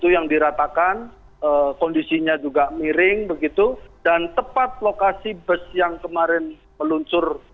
yang diratakan kondisinya juga miring begitu dan tepat lokasi bus yang kemarin meluncur